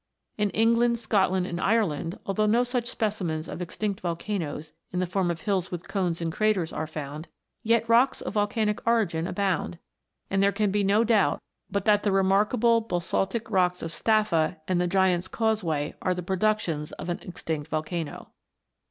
In England, Scotland, and Ireland, although no such specimens of extinct volcanoes, in the form of hills with cones and craters, are found, yet rocks of volcanic origin abound ; and there can be no doubt but that the remarkable basaltic rocks of Staffa and the Giant's Causeway are the productions of an extinct volcano.